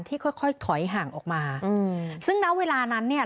ค่อยค่อยถอยห่างออกมาอืมซึ่งณเวลานั้นเนี่ย